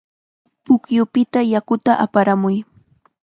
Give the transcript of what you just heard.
Pukyupita yakuta aparamuy.